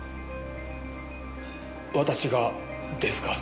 私がですか？